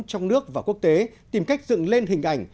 trong nước và quốc tế tìm cách dựng lên hình ảnh